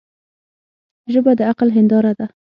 ژبه د عقل هنداره ده